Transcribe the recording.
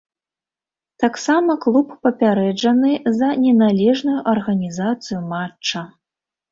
Таксама клуб папярэджаны за неналежную арганізацыю матча.